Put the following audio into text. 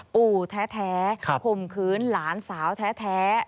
ปู่แท้ข่มขืนหลานสาวแท้